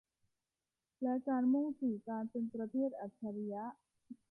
และการมุ่งสู่การเป็นประเทศอัจฉริยะ